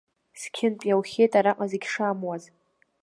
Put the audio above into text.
Зқьынтә иаухьеит араҟа зегь шамуаз.